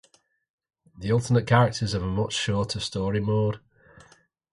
The alternate characters have a much shorter story-mode.